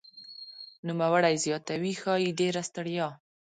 نوموړی زیاتوي "ښايي ډېره ستړیا